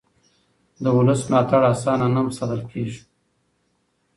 د ولس ملاتړ اسانه نه ساتل کېږي